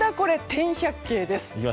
天百景です。